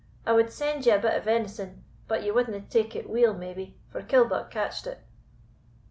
I wad send ye a bit venison, but ye wadna take it weel maybe, for Killbuck catched it."